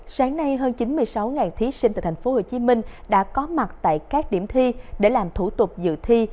sáng nay hơn chín mươi sáu thí sinh tại tp hcm đã có mặt tại các điểm thi để làm thủ tục dự thi